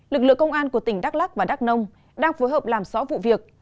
lực lượng công an của tỉnh đắk lắc và đắk nông đang phối hợp làm rõ vụ việc